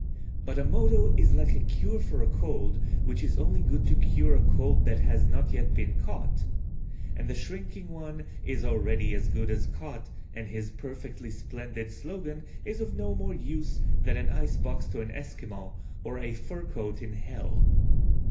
But a motto is like a cure for a cold which is only good to cure a cold that has not yet been caught, and the shrinking one is already as good as caught and his perfectly splendid slogan is of no more use than an icebox to an Esquimaux or a fur coat in Hell.